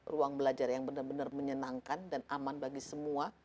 ruang belajar yang benar benar menyenangkan dan aman bagi semua